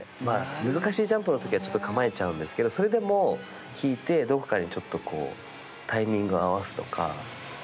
難しいジャンプのときはちょっと構えちゃうんですけど、それでも聞いて、どこかにちょっとタイミングを合わすとか。